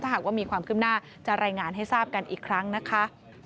หากว่ามีความขึ้นหน้าจะรายงานให้ทราบกันอีกครั้งนะคะ